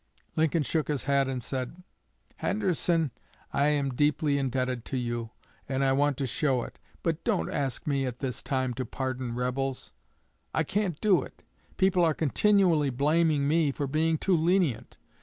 Lincoln shook his head and said, 'Henderson, I am deeply indebted to you, and I want to show it; but don't ask me at this time to pardon rebels. I can't do it. People are continually blaming me for being too lenient.